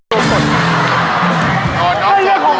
ก็เลือกของเขา